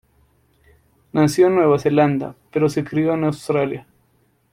Nació en Nueva Zelanda, pero se crio en Australia.